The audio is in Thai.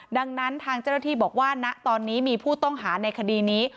ดังนั้นทางเจ้าหน้าที่บอกว่าณตอนนี้มีผู้ต้องหาในคดีนี้